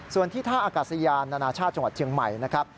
ส่วนที่ท่าอากาศยานนานาชาติจังหวัดเชียงใหม่นะครับ